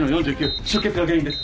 出血が原因です。